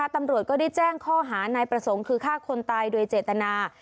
ตำรวจก็ได้แจ้งข้อหานายประสงค์คือฆ่าคนตายโดยเจตนา